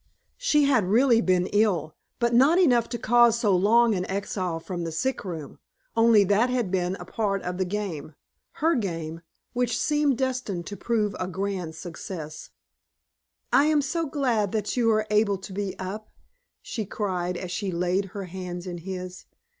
She had really been ill, but not enough to cause so long an exile from the sick room; only that had been a part of the game her game, which seemed destined to prove a grand success. "I am so glad that you are able to be up!" she cried, as she laid her hands in his.